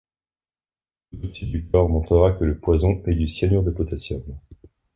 L'autopsie du corps montrera que le poison est du cyanure de potassium.